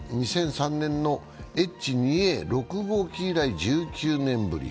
２００３年のＨ２Ａ６号機以来１９年ぶり。